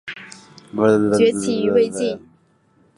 崛起于魏晋。